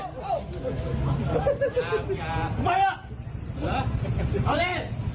เดี๋ยวเรามาให้